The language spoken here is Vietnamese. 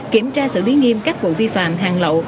kiểm tra xử lý nghiêm các vụ vi phạm hàng lậu